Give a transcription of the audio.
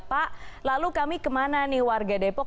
pak lalu kami kemana nih warga depok